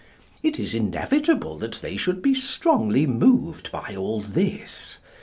It is inevitable that they should be strongly moved by all this.